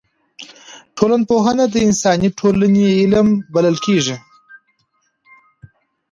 ټولنپوهنه د انساني ټولني علم بلل کیږي.